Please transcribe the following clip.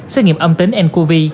xét nghiệm âm tính nqv